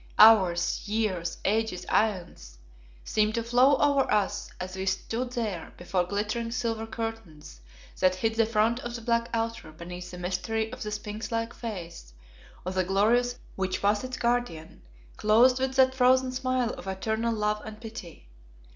Hours, years, ages, aeons, seemed to flow over us as we stood there before glittering silver curtains that hid the front of the black altar beneath the mystery of the sphinx like face of the glorious image which was its guardian, clothed with that frozen smile of eternal love and pity.